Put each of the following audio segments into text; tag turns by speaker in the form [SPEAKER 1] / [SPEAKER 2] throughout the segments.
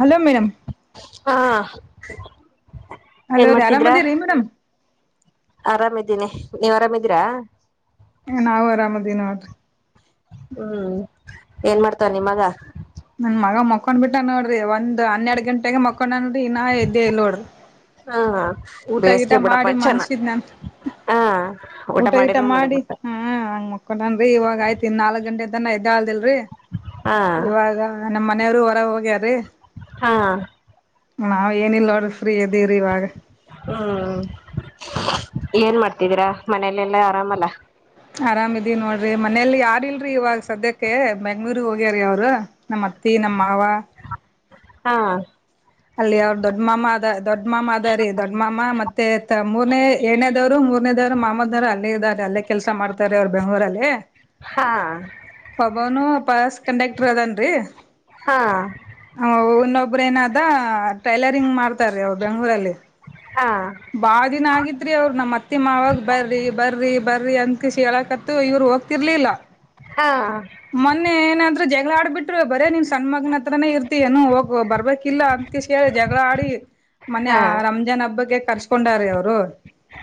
[SPEAKER 1] Hello madam
[SPEAKER 2] ಹಾ ಕಿವಿ
[SPEAKER 1] hello ರೀ ಆರಾಮ್ ಅದೇ ರೀ ಮೇಡಮ್
[SPEAKER 2] ್ದೀನೆ ನೀವ್ ಆರಾಮಿದೀರಾ
[SPEAKER 1] ನಾವು ಆರಾಮದಿನ ಇಲ್ಲ
[SPEAKER 2] ಹ್ಮ್ ಏನ್ ಮಾಡ್ತರ ನಿಮ್ಮಗ
[SPEAKER 1] ನನ್ ಮಗ ಮಕೊಂಡ್ ಬಿಟ್ಟ ನೋಡ್ರಿ ಒಂದ್ ಹನ್ನೆರಡು ಗಂಟೆಗೆ ಮೊಕ್ಕೊಂಡ ರೀನಾ ಎ ದೇಲೋಡ್
[SPEAKER 2] ಹಾ
[SPEAKER 1] ಊಟ ಗಿಟ ಮಾಡಿ ಮನ್ಸಿದ್ ನನ್
[SPEAKER 2] ಹಾ
[SPEAKER 1] ಊಟ ಗಿಟ
[SPEAKER 2] ಮಾಡಿದ
[SPEAKER 1] ಮಾಡಿ
[SPEAKER 2] ಮಲಗ್ಬಿಡ್ತ
[SPEAKER 1] ಹ ಹಂಗ ಮಕ್ಕೊಂಡನ್ೀ ಇವಾಗ ಆಯ್ತಿು ನಾಲ್ಕ್ ಗಂಟೆ ತನ್ನಗಲ್ದಲ್ರರಿ
[SPEAKER 2] ಹಾ
[SPEAKER 1] ಇವಾಗ ನಮ್ಮ ಮನೆಯವ್ರು ಹೊರ ಹೋಗ್ಯಾರೀ
[SPEAKER 2] ಹಾ
[SPEAKER 1] ನಾವ್ ಏನಿಲ್ಲ ನೋಡ್ರ ಫ್ರೀ ಇದದೇವ್ರೀ ಇವಾಗ
[SPEAKER 2] ಹ್ಮ್ ಏನ್ ಮಾಡ್ತಿದ್ದೀರಾ ಮನಲೆೆಲ್ಲಾ ಆರಾಮಲ್ಲ
[SPEAKER 1] ಆರಾಮಿದೀ ನೋಡ್ರಿ ಮನೇಲಿ ಯಾರ್ ಇಲ್ರರಿ ಇವಾಗ ಸದ್ಯಕ್ಕೆ ಬೆಂಗ್ಳೂರ್ಗ್ ಹೋಗ್ಯಾರೀ ಅವರು ನಮ್ ಅತ್ತಿ ನಮ್ಮ್ ಮಾವ
[SPEAKER 2] ಹಾ
[SPEAKER 1] ಅಲ್ಲಿ ಅವ್ರ ದೊಡ್ಡ ಮಾಮ ಅದ ದೊಡ್ಡ ಮಾಮ ಅದ ರೀ ದೊಡ್ಡ ಮಾಮ ಮತ್ತೆ ಮೂರನೇ ಏನೇದವ್ರು ಮೂರನೇದವ್ರು ಮಾಮದವ್ರು ಅಲ್ಲೇ ಇದಾರೆ ಅಲ್ಲೇ ಕೆಲಸ ಮಾಡ್ತಾರೆ ಅವ್ರು ಬೆಂಗ್ಳೂರಲ್ಲಲ್ಲಿ
[SPEAKER 2] ಹಾ
[SPEAKER 1] ಒಬನು ಪಸ್ ಕಂಡಕ್ಟರ್
[SPEAKER 2] ಹಾ
[SPEAKER 1] ಅದನ್ರಿನೊ ರ ದಾ ಟೈಲರಿಂಗ್ ಮಾಡ್ತಾರೀ ಅವರು ಬೆಂಗ್ಳೂರಲ್ಲಿ
[SPEAKER 2] ಹಾ
[SPEAKER 1] ಬಾಳ ದಿನ ಆಗತ್್ರಿ ಅವ್ರ ನಮ್ಮ್ ಅತ್ತೆ ಮಾವಾಗ ಬರ್ರಿ ಬರ್ರಿ ಬರ್ರಿ ಅಂತಕಷಿ ಹೇಳಕತ್ತ ಇವರು ಹೋಗ್ತಿರ್ಲಿಲ್ಲ
[SPEAKER 2] ಹಾ
[SPEAKER 1] ಮೊನ್ನೆ ಏನಂದ್ರೆ ಜ ಆಡ್ ಬಿಿ್ರರು ಬರೇ ನೀನ್ ಸಣ್ಣಗ್ನ ಾನೇ ಇರ್ತ ಏನು ಹೋಗ ಬರ್ಬೇಕು ಇಲಾನ್ ಹೇಳಿ ಜಗಳ ಆಡಿ ಮನೆ
[SPEAKER 2] ಹಾ
[SPEAKER 1] ರಂಜಾನ್ ಹಬ್ಬಕ್ಕೆ ಕೊಂಡ ಅವರು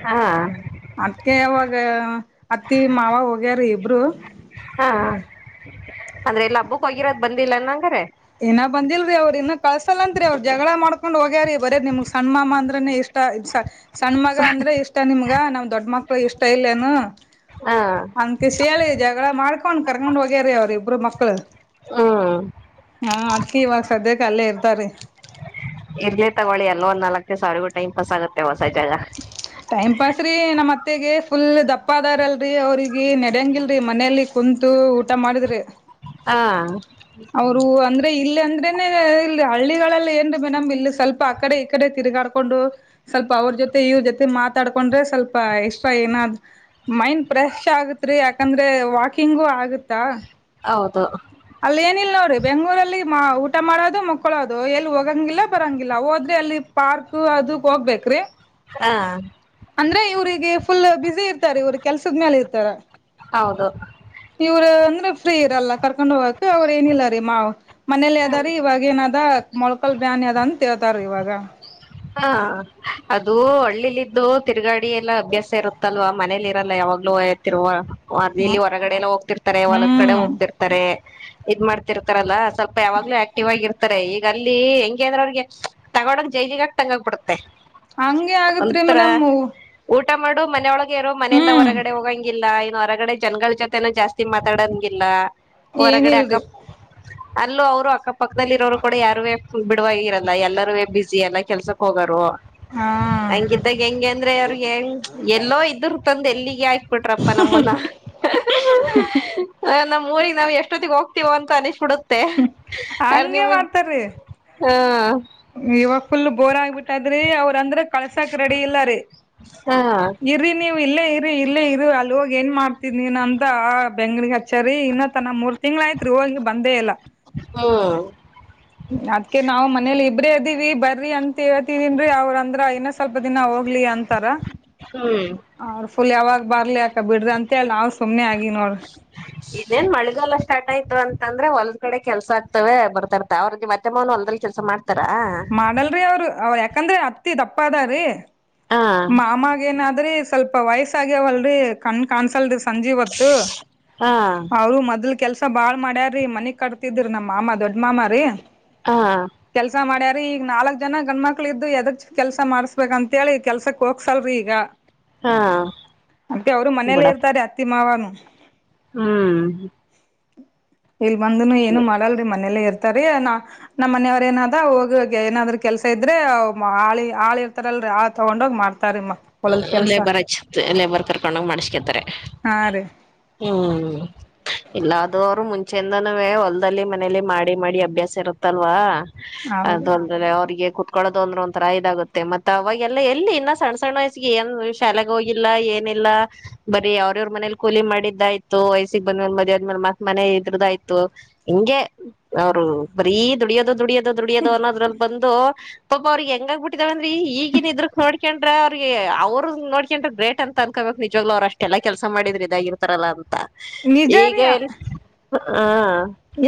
[SPEAKER 2] ಹಾ
[SPEAKER 1] ಅದಕ್ಕೆಾಗ ಅತ್ತಿ ಮಾವ ಹೋಗ ಅ ಬ್ರೋ
[SPEAKER 2] ಹಾ ಆದದ್ರೆ ಎಲ್ಲ ಹಬ್ಬಕ್ ಹೋಗಿರೋದ ಬಂದಿಲ್ಲನ್ ಹಂಗ್ರ
[SPEAKER 1] ಇನ ಬಂದಿಲ್ರಿ ಅವ್ರರು ಇನ್ನ ಕಳ್ಸಲ್ಲಂತ್ರಿ ಅವ್ರ ಜಗಳ ಮಾಡ್ಕೊಂಡ್ ಹೋಗ್ಯಾರಿೀ ಬರ ನಿಮ್ಗ್ ಸಣ್ಣ ಮಾಮ ಅಂದ್ರನೇ ಇಷ್ಟ ಸಣ್ಣ ಮಗ ಅಂದ್ರೆ ಇಷ್ಟ ನಿಮ್ಗ ಈ ನಾವ್ ದೊಡ್ ಮಕ್ಳು ಇಷ್ಟ ಇಲ್ಲೇನು
[SPEAKER 2] ಹಾ
[SPEAKER 1] ಅಂತ ಶಯಾಳೆ ಜಾಗ ಲ್ಲ ಮಾಡ್ಕೊಂಡ್ ಕರ್ಕೊಂಡ್ ಹೋಗ್ಯರಿ ಅವ್ರು ಇಬ್ರು ಮಕ್ಕು
[SPEAKER 2] ಹ್ಮ
[SPEAKER 1] ಹಾ ಅಕ್ಕಿ ಇವಾಗ ಸದ್ಯಕ್ಕೆ ಅಲ್ಲೇ ಇರ್ತಾರ
[SPEAKER 2] ಇರ್ಲಿ ತಗೊಳ್ಳಿ ಎಲ್ಲ ಒಂದು ನಲ್ಕೆ ಸಾರಿಗೂ ಟೈಮ್ ಪಸ್ಗುತ್ತೆಸ್
[SPEAKER 1] ಟೈಮ್ ಪಾಸ್ ರೀ ನಮ್ಮತ್ ಮತೆಗೆ ಫುಲ್ ದಪ್ಪ ಅಾರಲ್ರರಿ ಅವ್ರಿಗೆ ನೆಡಂಗಿಲ್ರರಿ ಮನಲಿ ಕುಂತು ಊಟ ಮಾಡಿದ್ರಿ
[SPEAKER 2] ಹಾ
[SPEAKER 1] ೆ ಇಲ್ಲಿ ಅಂದ್ರೆನೆ ಇಲ್ಲಿ ಹಳ್ಳಿಗಳಲ್ಲಿ ಏನ್ೀ ಮೇನಮ್ ಇಲ್ಲಿ ಸ್ವಲ್ಪ ಆಕಡೆ ಈ ಕಡೆ ತಿರುಗಾಡ್ಕೊಂಡು ಸ್ವಲ್ಪ ಅವ್ರ ಜೊತೆ ಇವ್ ಜೊತೆ ಮಾತಾಡ್ಕೊಂಡ್ರೆ ಸ್ವಲ್ಪ ಎಷ್ಟ್ರಾ ಏನಾದ್ ಮೈಂಡ್ ಫ್ರೆಶ್ ಆಗತ್ೀ ಯಾಕಂದ್ರೆ ವಾಕಿಂಗು ಆಗುತ್ತಾ
[SPEAKER 2] ಹೌದು
[SPEAKER 1] ಅಲ್ ಏನಿಲ್ಲ ನೋಡ್ರಿ ಬೆಂಗ್ೂರಲ್ಲಿ ಊಟ ಮಾಡೋದು ಮುಕ್ಕೊಳೋದು ಎಲ್ ಹೋಗಂಗಿಲ್ಲ ಬರಂಗಿಲ್ಲ ಹೋದ್ರಿ ಅಲ್ಲಿ ಪಾರ್ಕ್ ಅದು ಹೋಗ್ಬೇಕ್ರಿ
[SPEAKER 2] ಹಾ
[SPEAKER 1] ಅಂದ್ರೆ ಇವ್ರರಿಗೆ ಫುಲ್ ಬಿಸಿಿ ಇರ್ತಾರೆ ಇವರು ಕೆಲ್ಸದ ಮೇಲೆ ಇರ್ತಾರ
[SPEAKER 2] ಹೌದು
[SPEAKER 1] ಇವ್ರ ಅಂದ್ರೆ ಫ್ರೀ ಇರಲ್ಲ ಕರ್ಕೊಂಡ ಹೋಗಕ ಅವ್ರ ಏನಿಲ್ಲ ರೀ ಮಾ್ ಮನೇಲಿ ಅದಾರೀ ಇವಾಗ ಏನದ ಮೊಳ್ಕಲ್ ಬ್ಯಾನಿ ಅದ ಅಂತೇಳ್ತಾರ ಇವಾಗ
[SPEAKER 2] ಹಾ ಅದುೂ ಒಳ್ಳಿಲಿದ್ದು ತಿರುಗಾಡಿ ಅ ಎಲ್ಲ ಅಭ್ಯಾಸ ಇರುತ್ತಲ್ವಾ ಮನೇಲಿ ಲ್ಲ ಯಾವಾಗ್ಲೂ ಹತ್ತತಿರುವ
[SPEAKER 1] ಹ್ಮ
[SPEAKER 2] ಅಲಿಲ್ಲಿ ಹೊರಗಡೆ ಎಲ್ಲಾ ಹೋಗ್ತಾ ಇರ್ತಾರೆ ಹೊಲದ ಕಡೆ
[SPEAKER 1] ಹ್ಮ್
[SPEAKER 2] ಹೋಗ್ತಾ ಇರ್ತಾರೆ ಇದರ ಮಾಡ್ತಾ ಇರ್ತಾರಲ್ಲ ಸಲ್ಪ ಯಾವಾಗ್ಲೂ ಆಕ್ಟಿವ್ ಆಗಿ ಇರ್ತಾರೆ ಈಗ ಅಲ್ಲಿ ಹೆಂಗೆ ಅಂದ್ರ್ ತಗೊಡ್ಡು ಹೋಗಿ ಜೈಲಿಗೆ ಹಕ್ ದಂಗೆ ಆಗ್ಬಿಟ್ಟತೆ
[SPEAKER 1] ಆಗ್ಗೆ ಆಗುತ್ತೇರೆ ಮೇಡಂ
[SPEAKER 2] ಊಟ ಮಾಡು ಮನೆವಳಗೆ ಮಾಮ್ ಇಂದ ಹೊರಗಡೇ ಹೋಗ ಹಾಗಿಲ್ಲ ಹೊರಗಡೆ ಜನಗಳ ಜೊತೆ ಜಾಸ್ತಿ ಮಾತಾಡೋ ಹಂಗಿಲ್ಲ ಹೊರಗಡೆ ಅಕ್ಕಾ
[SPEAKER 1] ಏನಿಲ್ರಿ
[SPEAKER 2] ಪಕ್ಕ ಅಲ್ಲೂ ಅವರು ಅಕ್ಕಾ ಪಕ್ಕ ದಲ್ಲಿ ಎರವರು ಕೂಡ ಯಾರುವೇ ಬಿಡುವೆ ಇರಲ್ಲ ಎಲರುವೆ ಬ್ಯುಸಿ ಕೆಲ್ಸಕ್ ಹೋಗರು
[SPEAKER 1] ಹಾ
[SPEAKER 2] ಅಂಗಿದಾಗೆ ಹೆಂಗ್ ಅಂದ್ರ ಹ್ಮ್ ಟ್ಟಪಾ ನಮ್ಮನ್ನ ಹಾ ನಮ್ಮ ಯೂಟ್ಯೂಗೆ ನಾವು ಎಸ್ಟೋತಿಗೆ ಹೋಗಿ ಟಿವೋ ಅನ್ಸಿಬಿಡು
[SPEAKER 1] ಹ್ಮ್ ಅಂಗೇ ಮಾಡ್ತರಿ
[SPEAKER 2] ಹೂ
[SPEAKER 1] ಈವಾಗ ಫುಲ್ ಬೋರ್ ಆಗಿ ರಿ ಅವರಂದ್ರ ಕಲಾಸಕ್ ರೆಡಿ ಇಲ್ಲ ರಿ
[SPEAKER 2] ಹಾ
[SPEAKER 1] ಇರಿನಿವ್ ಇಲ್ಲೇ ಇರಿ ಇಲ್ಲೇ ಇರು ಆಲ್ ಹೋಗಿ ಎನ್ ಮಾಡ್ತೀರ ನೀನು ಅಂತ ಬೆಂಗಳೋಗ್ ಹಚ್ಯಾರ್ ರಿ ಇನ್ನತನ ಮೂರು ತಿಂಗಳ ಆಯಿತು ರಿ ಹೋಗಿ ಬಂದೆ ಇಲ್ಲ
[SPEAKER 2] ಹಾ
[SPEAKER 1] ಅದ್ಕೆ ನಾವು ಮನೇಲಿ ಇಬ್ರೆ ಅಡಿವಿ ಬರ್ರಿ ಅಂತ ಹೇಳ್ತಿದ್ದೀನಿ ರಿ ಅವ್ರ ಅಂದ್ರ ಇನ್ನ ಸ್ವಲ್ಪ ದಿನ ಹೋಗ್ ಕ್ಲಿ ಅಂತರ
[SPEAKER 2] ಹ್ಮ್
[SPEAKER 1] ಫುಲ್ ಯಾವಾಗ್ ಬರ್ಲಿ ಯಾಕ ಬಿಡ್ರಿ ಅಂತೇಳಿ ನಾವ್ ಸುಮ್ನೆ ಆಗಿವ್ ನೋಡ್
[SPEAKER 2] ಇನ್ನೇನ್ ಮಳಿಗಾಲ ಸ್ಟಾರ್ಟ್ ಆಯ್ತು ಅಂತಂದ್ರೆ ಹೋಲ್ಡ್ ಕಡೆ ಕೆಲಸ ಆಗ್ತವೆ ಬರ್ತಿರ್ತಾರೆ ಅವ್ರತೆ ನಮತ್ತೆ ಮಾವನ ಕೆಲಸ ಮಾಡ್
[SPEAKER 1] ಮಾಡಲ್ ರಿ ಅವ್ರು ಅವ್ರು ಯಾಕಂದ್ರೆ ಅತ್ತಿ ದಪ್ ಪದರಿ
[SPEAKER 2] ಹಾ
[SPEAKER 1] ಮಾಮಗೆನಾದ್ರಿ ಸ್ವಲ್ಪ ವಯಸ್ಸಾಗವಲ್ ರಿ ಕಣ್ ಕಾಣಿಸಲ್ಲ ರಿ ಸಲ್ಪ ಸಂಜಿ ಹೊತ್ತು
[SPEAKER 2] ಹಾ
[SPEAKER 1] ಅವ್ಳು ಮೊದಲ ಕೆಲಸ ಭಾಳ ಮಾಡ್ಯಾರ್ ರಿ ಮನಿ ಕಟ್ತಿದ್ರು ನಮ್ ಮಾಮ ದೊಡ್ ಮಾಮ ರಿ
[SPEAKER 2] ಹಾ
[SPEAKER 1] ಕೆಲ್ಸ ಮಾಡ್ಯಾರ್ ಈಗ ನಾಲ್ಕ್ ಜನ ಗಂಡ್ಮಕ್ಳ ಇದ್ದು ಎದಗ್ ಕೆಲ್ಸ ಮಾಡಸ್ಬೇಕ ಅಂತ ಹೇಳಿ ಕೆಲ್ಸಕ್ ಹೋಗಸಲ್ರಿ ಈಗ
[SPEAKER 2] ಹಾ
[SPEAKER 1] ಅಕೆ ಅವರು ಮನೇಲ್ಲೇ
[SPEAKER 2] ಬಿಡಪ್ಪ
[SPEAKER 1] ಇರ್ತಾರೆ ಅತ್ತಿ ಮಾವನು
[SPEAKER 2] ಹ್ಮ್
[SPEAKER 1] ಇಲ್ ಬಂದುನು ಏನು ಮಾಡಲ್ರಿ ಮನೇಲ್ಲೇ ಇರ್ತ ತರಿಯಾನ ನಮ್ಮ್ ಮನೆಯವ್ರ ಏನಾದ ಹೋಗಿ ಏನಾದ್ರ ಕೆಲ್ಸ ಇದ್ರೆ ಆಳಿ ಆಳಿ ಇರ್ತಾರಲ್ರಿ ತಗೊಂಡ ಹೋಗ್ ಮಾತ
[SPEAKER 2] ಲೇಬರ್ ಹಚ್ಚತ್ ಲೇಬರ್ ಕರ್ಕೊಂಡೋಗ್ ಮಾಡಸ್ಕೇತಾರೆ
[SPEAKER 1] ಹಾ ರೀ
[SPEAKER 2] ಹ್ಮ್ ಎಲ್ಲಾದೋರ ಮುಂ ಚಂದನವೇ ಹೊಲ್ದಲ್ಲಿ ಮನೇಲಿ ಮಾಡಿ ಮಾಡಿ ಅಭ್ಯಾಸ ಇರುತ್ತಲ್ವಾ
[SPEAKER 1] ಹೌದು
[SPEAKER 2] ಅದು ಅಲ್ಡೆಲೆ ಅವ್ರಿಗೆ ಕುೂತ್ಕೊಳ್ಳೋದು ಅಂದ್ರ ಒಂಥರ ಇದಾಗುತ್ತೆ ಮತ್ತ ಅವಾಗಲ್ಲ ಎಲ್ಲಿ ಇನ್ನ ಸಣ ಸಣ್ಣ ಏನ್ ಶಾಲೆಗೆ ಹೋಗಿಲ್ಲ ಏನಿಲ್ಲ ಬರೀ ಅವ್ರವ್ರ ಮನೇಲಿ ಕೂಲಿ ಮಾಡಿದ್ದಾಯ್ತು ವಯಸ್ಸಿಗೆಗ್ ಬಂದ್ಂದ ಮದ ಅಂದ ಮೇ ಮತ್ ಮನೆ ಇದ್ರದಾಯ್ತು ಹಿಂಗೆ ಅವ್ರು ಬರೀ ದುಡಿಯೋದು ದುಡಿಯೋದು ದುಢಿಯದು ಅನ್ನದ್ರಲ್ ಬಂತ್ ಪಾಪ ಅವ್ರಿಗೆ ಹೆಂಗಾಗ್ ಬಿಟ್ಟಿದಾವಂದ್ರೀ ಈಗನ್ ಇದ್ರ ನೋಡ್ಕೊಂಡ್ರ ಅವ್ರಿಗೆ ಅವ್ರರು ನೋಡ್ಕೊಂಡ್ರ ಗ್ರೇಟ್ ಅನ್ಕೋಬೇಕು ನಿಜವ್ ಅವ್ ಅಷ್ಟ ಎಲ್ಲ ಕೆಲಸ ಮಾಡಿದ್ರೆ ಇದಾಗಿರ್ತಾರಲ್ಲ ಅದು
[SPEAKER 1] ನಿಜಾರಿಯ
[SPEAKER 2] ಹಾ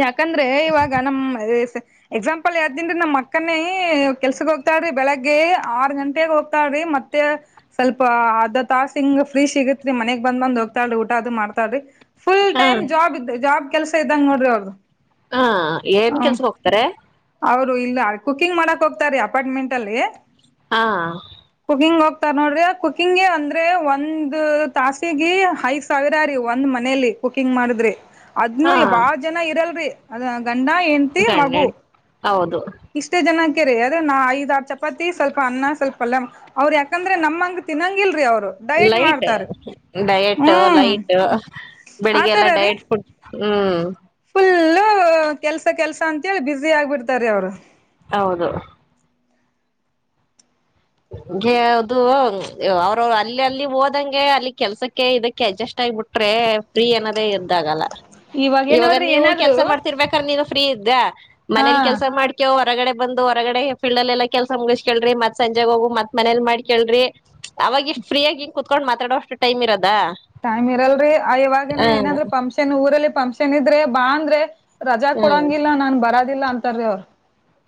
[SPEAKER 1] ಯಾಕಂದ್ರೆ ಇವಾಗ ನಮ್ಮ್ಮ್ [unintelligible] ಎಕ್ಸಾಂಪಲ್ ಹೇಳ್ತೀನಿ ನಮ್ ಅಕ್ಕನೇ ಕೆಲ್ಸಕ್ ಹೋಗ್ತಾಳ್ರಿ ಬೆಳಗ್ಗೆ ಆರ್ ಗಂಟೆಗ ಹೋಗ್ತಾಳ್ರಿ ಮತ್ತೆ ಸ್ವಲ್ಪ ಅರ್ಧ ತಾಸ ಹಿಂಗ ಫ್ರೀ ಸಿಗತ್ರಿ ಮನೆಗ್ ಬಂದ್ ಬಂದ್ ಹೋಗ್ತಾಳ್ರಿ ಊಟ ಅ್ ಮಾಡ್ತಾಳ್ರಿ ಫುಲ್
[SPEAKER 2] ಹ
[SPEAKER 1] ಟೈಮ್ ಜಾಬ್ ಇದ್ದ ಜಾಬ್ ಕೆಲಸ ಇದ್ದಂಗ ನೋಡ್ರಿ ಅವ್ ಹ
[SPEAKER 2] ಹಾ ಏನ್ ಕೆಲ್ಸಕ್ ಹೋಗ್ತಾರೆ
[SPEAKER 1] ಅವರು ಇಲ್ಲಿ ಕುಕಿಂಗ್ ಮಾಡಕ್ ಹೋಗ್ತಾರೀ ಅಪಾರ್ಟ್ಮೆಂಟ್ ಅಲ್ಲಿ
[SPEAKER 2] ಹಾ
[SPEAKER 1] ಕುಕಿಂಗ್ ಹೋಗ್ತಾರ ನೋಡ್ರಿ ಕುಕಿಂಗಗೆ ಅಂದ್ರೆ ಒಂದು ತಾಸಿಗೆ ಐದ್ ಸಾವಿರ ರೀ ಒಂದ್ ಮನೇಲಿ ಕುಕಿಂಗ್ ಮಾಡಿದ್ರಿ ಅದ್ನು
[SPEAKER 2] ಹಾ
[SPEAKER 1] ಬಾಳ ಜನ ಇರಲ್ರಿ ಅದೇ ಹ ಗಂಡ ಹೆಂಡ್ತಿ
[SPEAKER 2] ಗಂಡ
[SPEAKER 1] ಮಗು
[SPEAKER 2] ಹೆಂಡ್ ಹೌದು
[SPEAKER 1] ಕ್ ರೀ ಅದೇ ನಾ ಐದ್ ಆರು ಚಪಾತಿ ಸ್ವಲ್ಪ ಅನ್ನ ಸ್ವಲ್ಪ ಪಲ್ಯ ಅವ್ರು ಯಾಕಂದ್ರೆ ನಮ್ಂಗ ತಿನ್ನಂಗಿಲ್ರರಿ ಅವ್ರು
[SPEAKER 2] ಲೈಟ್ ಡಯಟ್
[SPEAKER 1] ಹ್ಮ್
[SPEAKER 2] ಲೈಟ್
[SPEAKER 1] ಆತರ
[SPEAKER 2] ಬೆಳ್ಳಿಗೆಲ್ಲ
[SPEAKER 1] ರೀ
[SPEAKER 2] ಡಯಟ್ ಫುಡ್
[SPEAKER 1] ಹ್ಮ್ಮ ಕೆಲಸ ಕೆಲ್ಸಾತೀಯ ಬಿಸ್ಯ ತಾರೀವ್ರು
[SPEAKER 2] ಹೌದು ಗೆ ಅವ್ರು ಅದು ಅಲ್ಲಿ ಅಲ್ಲಿ ಹೋದಂಗೆ ಕೆಲಸಕೆ
[SPEAKER 1] ಇವಾಗ ಏನ್
[SPEAKER 2] ಈವಾಗ
[SPEAKER 1] ನೋಡ್ರಿ
[SPEAKER 2] ನೀವು
[SPEAKER 1] ಏನಾದ್ರು
[SPEAKER 2] ಕೆಲಸ ಮಾಡ್ತಿರ್ಬೇಕಾದ್ರೆ ನೀನು ಫ್ರೀದೆ
[SPEAKER 1] ಹಾ
[SPEAKER 2] ಮನೆಯಲ್ಲಿ ಕೆಲಸ ಮಡಿಕೇವ ಒರ್ಗಡೆ ಬಂದು ಒರ್ಗಡೆ ಫೀಲ್ಡ್ಲಾಲೆಲ್ಲ ಕೆಲಸ ಮೊಗಸಕಂಡ್ರಿ ಮತ್ ಸಂಜೆ ಹೂಗು ಮತ್ ಮನೆಲ್ಲಿ ಮಾಡ್ಕಂಡ್ರಿ ಛಪ್ ಅವಾಗ ಇಷ್ಟು ಫ್ರೀಗಿ ಕೊತ್ಕೊಂಡು ಮದಷ್ಟು ಟೈಮ್ ಇರಲ್
[SPEAKER 1] ಟೈಮ್ ಇರಲ್ರಿ ಅ ಈವಾಗ
[SPEAKER 2] ಹ್ಮ್
[SPEAKER 1] ಏನಾದ್ರು [unintelligible] ರೇ ಬಾಂದ್ರೆ ರಜೆ
[SPEAKER 2] ಹ್ಮ್
[SPEAKER 1] ಕೋಡಂಗಿಲ್ಲ ನಾನು ಬರದಿಲ್ಲ ಅಂದ್ [unintelligible]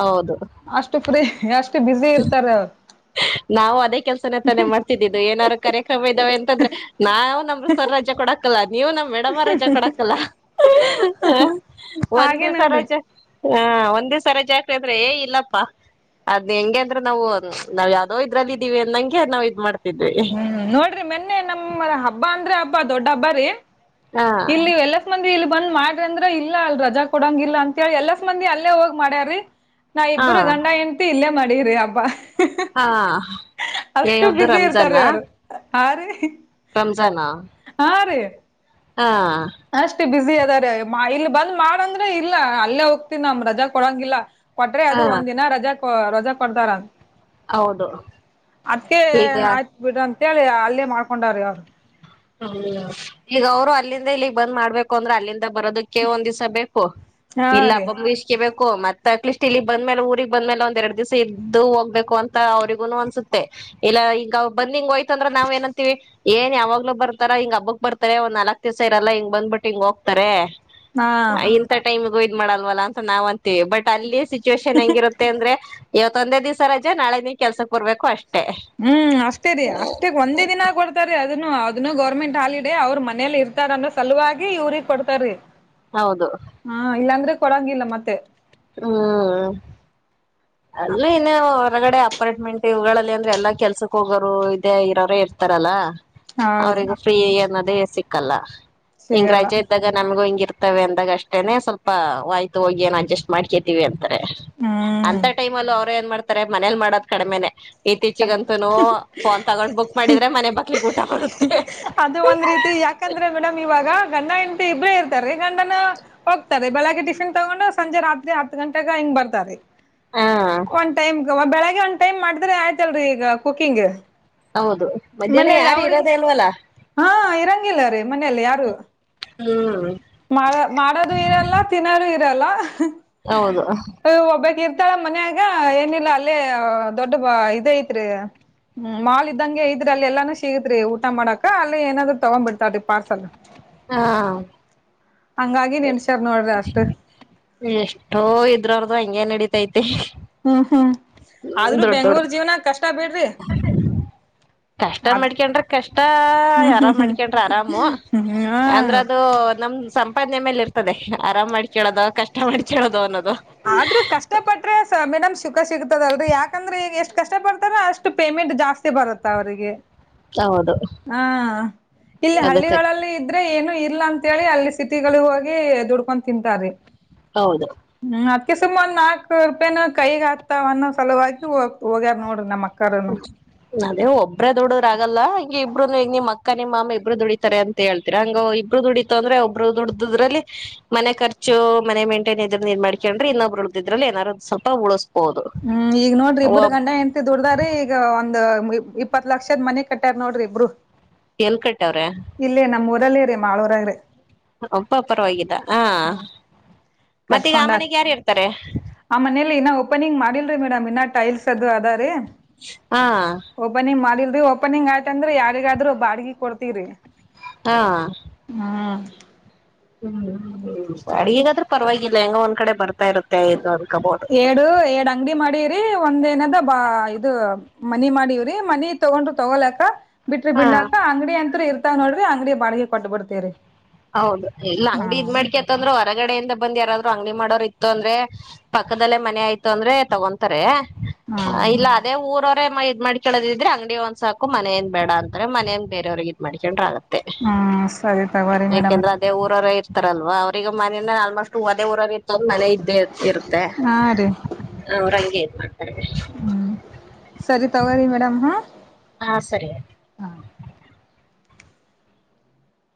[SPEAKER 2] ಹೌದು
[SPEAKER 1] ಅಷ್ಟು ಫ್ರೀ ಬ್ಯುಸಿ ಇರ್ತಾರ ಅವ್ರು
[SPEAKER 2] [unintelligible] ನಾವು ಅದೇ ಕೆಲಸನೆ ತಾನೆ ಮಾಡತಿದಿದ್ದು ಏನಂದ್ರು ಕಾರ್ಯಕರ್ಮ ಇದವೇ ಅಂತಿದ್ದರೆ ನಾವು ನಮ್ಮ ಸರ್ [unintelligible] [inaudible] ನೀವು ನಮ್ಮ ಮೇಡಂರವರ ರಜೆ ಕೊಡೆಕಲ್ಲ
[SPEAKER 1] ಹಾಗೆ ನೋಡ್ರಿ
[SPEAKER 2] [unintelligible] ಹ [inaudible] [unintelligible] [inaudible] ನಂಗೆ ನಾವ ಇದು ಮಾಡ್
[SPEAKER 1] ಹ್ಮ್ಮ್ ನೋಡ್ರಿ ಮೊನ್ನೆ ನಮ್ಮ ಹಬ್ಬ ಅಂದ್ರ ಬ ದೊಡ್ಡ ಹಬ್ಬ ರಿ.
[SPEAKER 2] ಹಾ
[SPEAKER 1] ಇಲ್ಲಿ [inaudible] ಇಲ್ಲಿ ಬಂದ ಮಾಡ್ರಿ ಅಂದ್ರ ಇಲ್ಲ ಅಲ್ಲಿ ರಜಾ ಕೊಡಂಗಿಲ್ಲ ಅಂತ ಹೇಳಿ ಎಲ್ಲ ಮಂದಿ ಅಲ್ಲೇ ಹೋಗ್ ಮಾಡ್ಯಾರಿ. ನಾವ
[SPEAKER 2] ಹಾ
[SPEAKER 1] ಇಬ್ರು ಗಂಡಾ ಹೆಂಡತಿ ಇಲ್ಲೆ [unintelligible] [inaudible] ಹಬ್ಬ
[SPEAKER 2] ಹ ನೀ [unintelligible] ರಂಜನಾ
[SPEAKER 1] ಹಾರಿ
[SPEAKER 2] ರಂಜನಾ ಹಾ
[SPEAKER 1] [inaudible] ಅಷ್ಟ ಬ್ಯುಸಿ ಅದಾರಿ ಆ ಯಮ್ಮ ಇಲ್ಲಿ ಬಂದ ಮಾಡ ಅಂದ್ರ ಇಲ್ಲಾ ಅಲ್ಲೇ ಹೋಗ್ತೀನಿ ನಮ್ ರಜಾ ಕೊಡಂಗಿಲ್ಲ ಕೊಟ್ರೆ
[SPEAKER 2] ಹಾ
[SPEAKER 1] ಅದು ಒಂದ ದಿನಾ ರಜಾ [unintelligible] ರಾಜಾ ಕೊಡ್ತಾರ
[SPEAKER 2] ಹೌದು
[SPEAKER 1] ಅದ್ಕೇ
[SPEAKER 2] ಈಗ
[SPEAKER 1] ಆಯ್ತಾ ಬಿಡ್ರೀ ಅಂತ ಅಂತ ಹೇಳಿ ಅಲೆ ಮಾಡ್ಕೊಂಡ್ ರಿ ಅವರ.
[SPEAKER 2] [unintelligible] ಆಗ ಅವರು ಅಲ್ಲಿಂದ ಇಲ್ಲಿಗೆ ಬಂದ ಮಾಡಬೇಕು ಅಂದ್ರ ಅಲ್ಲಿಂದ ಬರೋದಿಕ್ಕೆ ಒಂದ ದಿವಸ ಬೇಕು
[SPEAKER 1] ಹಾ
[SPEAKER 2] ಇಲ್ಲ
[SPEAKER 1] ರೀ
[SPEAKER 2] [unintelligible] ಮಾತ ಅಟ್ಲಿಸ್ಟ್ ಇಲ್ಲಿಗೆ ಬಂದ ಮೇಲೆ ಊರಿಗೆ ಬಂದ ಮೇಲೆ ಒಂದೆರಡು ದಿವಸ ಇದ್ದು ಹೋಗ್ಬೇಕು ಅಂತ ಅವರಿಗೂನು ಅನ್ಸುತ್ತೆ ಇಲ್ಲ ಹಿಂಗ ಬಂದ ಹೋಯಿತ ಅಂದ್ರೆ ನಾವು ಏನಂತೀವಿ ಏನ್ ಯಾವಾಗಲೊ. ಬರ್ತಾರಾ ಹಿಂಗ್ಹಬ್ಬಕ್ ಬರ್ತಾರಾ ಒಂದ ನಾಲ್ಕ ದಿವಸ ಇರಲ್ಲ ಹಿಂಗ್ ಬಂದ್ ಬಿಟ್ಟು ಹಿಂಗ್ ಹೋಗ್ತಾರೆ
[SPEAKER 1] ಹಾ
[SPEAKER 2] [unintelligible] ಇಂಥ ಟೈಮು. [unintelligible] ಇದು ಮಾಡಲವಾಲಾ ಅಂತ ನಾವು ಅಂತೀವಿ ಬಟ್ ಅಲ್ಲಿ [unintelligible] ಸಿಚುವೇಶನ್ ಹೆಂಗಿರುತ್ತೆ ಅಂದ್ರೆ. ಇವತ್ತು ಒಂದೇ ದಿವಸ ರಜ ನಾಳೆ ನೀ ಕೆಲಸಕ ಬರಬೇಕು ಅಷ್ಟೇ.
[SPEAKER 1] ಹ್ಮ್ಮ್ ಅಷ್ಟೇ ರೀ ಅಷ್ಟೇ ಒಂದೇ ದಿನ ಕೊಡ್ತಾರೆ ಅದನ್ನು ಅದನ್ನು ಗೋರ್ಮೆಂಟ್ ಹಾಲಿಡೇ ಔರ್ ಮನೆಲ್ ಇರ್ತಾರೆ ಅಂದ್ರೆ ಸಲವಾಗಿ ಯೂರಿಗಿ ಕೊಡ್ತಾರಿ
[SPEAKER 2] ಹೌದು
[SPEAKER 1] [unintelligible] ಹಾ ಇಲ್ಲ ಅಂದ್ರ. ಕೊಡಂಗಿಲ್ಲ ಮತ್ತೆ.
[SPEAKER 2] ಹ್ಮ್ಮ್ ಅಲ್ಲೇ ಇನ್ನೂ ಹೊರಗಡೆ ಅಪಾರ್ಟ್ಮೆಂಟ್ ಇವಗಳಲ್ಲಿ ಅಂದ್ರೆ ಎಲ್ಲಾ ಕೆಲಸ ಹೋಗೋರು ಇದೆ ಇವರೇ ಇರ್ತಾರಲ್ಲ.
[SPEAKER 1] ಹೌದ್ರಿ
[SPEAKER 2] ಅವರಿಗೂ ಫ್ರೀ ಅನ್ನೋದ. [unintelligible] ಸಿಕ್ಕಲ್ಲ. ಇಂಗ
[SPEAKER 1] ಸಿಗಲ್ಲ
[SPEAKER 2] ರಜೆ ಇದ್ದಾಗ ನಮಗೂ ಹಿಂಗ ಇರ. ಸಿಗಲಾ ಅಂದಾಗ ಅಷ್ಟೆ ಎನೋ ಅಡ್ಜಸ್ಟ್ ಮಾಡ್ಕೋಳಿ ಮಾಡ್ಕೊಂತಿವೆ
[SPEAKER 1] ಹ್ಮ್
[SPEAKER 2] ಆಂಟ ಟೈಮ್ ಅಲಿ ಮನಾಲಿ ಮಾಡೋದು ಕಾಮಿನೆ ಎಚ್ಚಿಗೆ ಅಂತೋನು ಫೋನ್ ತಗಂಡೋ ಪುಸ್ತಕ ಮಾಡು ದೂರ ಮನೆಗೆ ಊಟ ಬರುತ್ತೆ
[SPEAKER 1] ಅದು ಒಂದ್ ರೀತಿ ಯಾಕಂದ್ರೆ ಮೇಡಮ್ ಇವಾಗ ಗಂಡ ಹೆಂಡತಿ ಹಿಬಾ ರೇ ಹೀರೋ ತಾರೆ ಬೆಳಗೆ ಟಿಫಿನ್ ತಗುಂಡು ಗೆ ಹಂತಕ್ಕೆ
[SPEAKER 2] ಹಾ
[SPEAKER 1] ಬೆಳಗೆ ಒಂದು ಸಮಯ ಮಾಡು ದೂರ ಆಯ್ತ್ ಲ್ರಿ ಈಗ ಕುಕಿಂಗ್
[SPEAKER 2] ಹೌದು ಮಧ್ಯಾಹ್ನ
[SPEAKER 1] ಮನೇಲಿ
[SPEAKER 2] ಯಾರು
[SPEAKER 1] ಅವ್ರಿಗೆ
[SPEAKER 2] ಇರೋದೇ ಅಲ್ವಲ್ಲ
[SPEAKER 1] ಹಾ ಇರಂಗಿಲ್ಲ ಅ ರ ಮನೆಯಲ್ಲಿ ಯಾರು
[SPEAKER 2] ಹ್ಮ್
[SPEAKER 1] ಮಾಡ ಮಾಡೋದು ಇರಲ್ಲ ತಿನ್ನೋದು ಇರಲ್ಲ
[SPEAKER 2] ಹೌದು
[SPEAKER 1] ಇತ್ತಾಳ ಮನ್ಯಾಗ ಏನಿಲ್ಲ ಅಲ್ಲೇ ದೊಡ್ಡ ಇದ ಐತ್ರಿ ಮಾಲ್ ಇದ್ದಂಗೆ ಐ್ರಿ ಅಲ್ಲಿ ಎಲ್ಲಾನು ಸಿಗತ್ರಿ ಊಟ ಮಾಡಕ ಅಲ್ಲೇ ಏನಾದ್ರು ತಗೊಂಡ್ ಬಿಡ್ತಾವ್ರೀ ಪಾರ್ಸಲ್
[SPEAKER 2] ಹಾ
[SPEAKER 1] ಹಂಗಾಗಿ ನೆಡ್ಸ್ಯಾರ್ ನೋಡ್ರಿ ಅಷ್ಟ
[SPEAKER 2] ಎಷ್ಟೋ ಇದ್ರರ್್ದು ಹಂಗೇ ನಡ
[SPEAKER 1] ಹಾನ್ ದಾರು
[SPEAKER 2] ದೊಡ್ ದೊಡ್ಡ
[SPEAKER 1] ಬೆಂಗಳೂರು ಜೀವನ ಕಷ್ಟ ಬಿಡ್ರಿ
[SPEAKER 2] ಕಷ್ಟ
[SPEAKER 1] ಅದ್
[SPEAKER 2] ಮಾಡಿಕೊಂಡಾ ರೀ ಕಷ್ಟ
[SPEAKER 1] ಹ್ಮ್ ಹ್ಮ್
[SPEAKER 2] ಹರಂ ಮಣಿಕೊಂಡ ಹರಾಮ್
[SPEAKER 1] ಹ್ಮ್ ಹ್ಮ
[SPEAKER 2] ಸಂಪದನ್ ಮಡಿಕೊಳ್ಳೋದುರು ಮ್ಯಾಲೆ ಎರುತ್ತೇ
[SPEAKER 1] ಅಧರು ಕಷ್ಟ ಪತಾರೆ ಸುಖ ಸಿಕುಡ್ತಾ ದೇ ಯಾ ಕೆ ಅಂದರ್ ಅಷ್ಟೊ ಕಷ್ಟ ಪತಾರೆ ಅಷ್ಟೊ ಪಾವತಿ ಭಾರುತದೆ
[SPEAKER 2] ಹೌದು
[SPEAKER 1] ಹಾ ಯಲ್ಲಿ
[SPEAKER 2] ಅದಕ್ಕೆ
[SPEAKER 1] ಹಳ್ಳಿ ಎಡರೆ ಎಲಿ ಎಲ್ಲಾ ಅಂತ ಹೇಳಿ ಸಿಟಿ ಓಗು ದುಡುದು ಕೊಂಡು ತಿನ್ನುತಾರೆ
[SPEAKER 2] ಹೌದು
[SPEAKER 1] ನಾಲ್ಕು ರೂಪಾಯಿನ ಕೈಗ್ ಆಗ್ತಾವ ಅನ್ನೋ ಸಲುವಾಗಿ ಹೋಗ್ ಹೋಗ್ಯಾರ ನೋಡ್ರಿ ನಮ್ಮ್ ಅಕ್ಕಾರನು
[SPEAKER 2] ಅದೆ ಒಬೆರಾಯ್ ಧುರಿ ಧರೆ ಆಗಲಾ ಇಬ್ರು ದುಡಿತು ಅಂದ್ರೆ ಒಬ್ರು ದುಡ್ದದ್ರಲ್ಲಿ ಮನೆ ಖರ್ಚು ಮನೆ ಮೇಂಟೈನ್ ಇದ್ರ ಇದ್ ಮಾಡ್ಕೊಂಡ್ರೆ ಇನ್ನೊಬ್ರು ಉಳ್ದಿದ್ರಲ್ಲಿ ಏನಾರು ಸ್ವಲ್ಪ ಉಳಸ್ಬಹುದು
[SPEAKER 1] ಹ್ಮ್ ಈಗ ನೋಡ್ರಿ ಇಬ್ಬರು
[SPEAKER 2] ಒಬ್
[SPEAKER 1] ಗಂಡ ಹೆಂಡ್ತಿ ದುಡ್ದಾರಿ ಈಗ ಒಂದ್ ಇಪ್ಪತ್ ಲಕ್ಷದ್ ಮನಿ ಕಟ್ಟ್ಯಾರ ನೋಡ್ರಿ ಇಬ್ರು
[SPEAKER 2] ಎಲ್ ಕಟ್ಟವ್ರೆ
[SPEAKER 1] ಇಲ್ಲೇ ನಮ್ ಊರಲ್ಲೇ ರೀ ಮಾಳೂರಾಗ್ರಿ
[SPEAKER 2] ಅಪ್ಪಾ ಪ್ರಿವಾಗಿಯೆಲ್ಲಾ
[SPEAKER 1] ಕಟ್ಕೋಣರ ಆ ಮನೆಯಲ್ಲಿ ಇನ್ನು ಓಪನ್ ಇಲ್ಲ ಏನು ಈನಾ ಮಾಡಿಲ್ಲ ರೀ ಮೇಡಂ ಇನ್ನ ಟೈಲ್ಸ್ ಅದು ರೀ
[SPEAKER 2] ಹ
[SPEAKER 1] ಓಪನಿಂಗ್ ಆಗಿದ್ದರೆ ಅಂದ್ರೆ ಯಾರಿಗಾದ್ರೂ ಬಾಡಿಗೆ ಕೊಡುತ್ತಿದ್ದೀರಿ
[SPEAKER 2] ಹ [inaudible] ಬಾಡಿಗೆ ಆದ್ರೂ ಪರ್ವಾಗಿಲ್ಲ ಏನು ಈಕಡೆ ಬರ್ತಾ ಇರುತ್ತೆ ಅನ್ಕೋಬಹುದು.
[SPEAKER 1] ಹೇಳು ಏನು ಅಂಗಡಿ ಮಾಡಿದೆ ಒಂದುನಗ ಬಾ ಇದು ಮನಿ ಮಾಡಿಯವರೆ ಮನಿ ತೊಗೊಂಡರ್ ತೊವಲೆಟಾ ಬಿಟ್ರೆ
[SPEAKER 2] ಹಾ
[SPEAKER 1] ಬಿಲ್ದಾಕ ಅಂಗಡಿ ಅಂತ್ರು ಇರು ಅಂಗ್ಡಿ ಬಾಡಿಗೆ ಕೊಟ್ಟು ಬಿಡ್ತೀವಿ
[SPEAKER 2] ಹೌದು ಇಲ್ಲ ಅಂಗಡಿ ಮಾಡ್ಕೊಂತಾ ಹೊರಗಡೆ ಬಂದು ಯಾರಾದ್ರೂ ಮಾಡು ಇತ್ತಂದ್ರೆ ಪಕ್ಕದಲ್ಲಿ ಮನೆ ಐತಂದ್ರೆ ತಗೋಳ್ತಾರೆ
[SPEAKER 1] ಹ್ಮ್
[SPEAKER 2] ಇಲ್ಲ ಅದೇ ಊರು ಮಾಡ್ಕೊಳ್ಳಿದ್ರೆ ಅಂಗಡಿ ಒಂದು ಸಾಕು ಮನೆಯನ್ನು ಬಾಡ ಅಂದರೆ ಮನೆ ಬೇರೆಯವರಿಗೆ ಮಾಡಿಕೊಂಡರೆ ಆಯ್ತು
[SPEAKER 1] ಹ ಸರಿ ತಗೋಳ್ರಿ
[SPEAKER 2] ಏಕಂದ್ರೆ ಅದೇ ಊರವರು ಇರ್ತಾರಲ್ಲ ಆಲ್ಮೋಸ್ಟ್ ಅದೇ ಊರಿನಲ್ಲಿ ಇರ್ತಾರಲ್ಲ ಮನೆ ಇದ್ದೇ ಇರುತ್ತೆ
[SPEAKER 1] ಹಾ ರೀ
[SPEAKER 2] ಅವರಂಗೆ [inaudible]
[SPEAKER 1] ಹ್ಮ್ ಹೂ ಸರಿ ತಗೊಳ್ರಿ ಮೇಡಂ
[SPEAKER 2] ಆ ಸರಿ ಆಯ್ತು